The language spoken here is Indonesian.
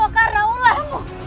ini adalah sebabmu